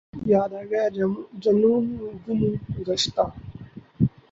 یاد آیا جنون گم گشتہ